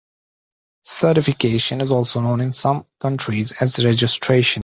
Certification is also known in some countries as registration.